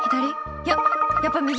いや、やっぱ右。